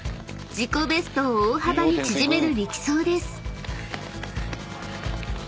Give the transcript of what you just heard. ［自己ベストを大幅に縮める力走です］